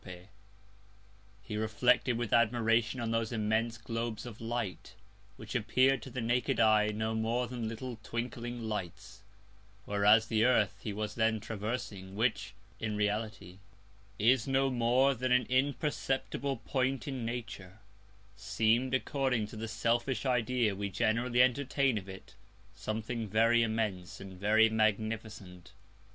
He reflected with Admiration on those immense Globes of Light, which appear'd to the naked Eye no more than little twinkling Lights; whereas the Earth he was then traversing, which, in Reality, is no more than an imperceptible Point in Nature, seem'd, according to the selfish Idea we generally entertain of it, something very immense, and very magnificent.